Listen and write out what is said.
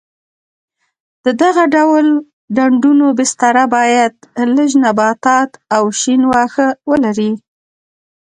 د دغه ډول ډنډونو بستره باید لږ نباتات او شین واښه ولري.